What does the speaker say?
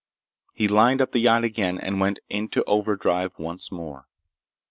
He lined up the yacht again and went into overdrive once more.